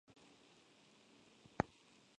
Era buena estudiante en la escuela secundaria.